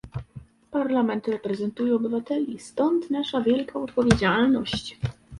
Parlament reprezentuje obywateli, stąd nasza wielka odpowiedzialność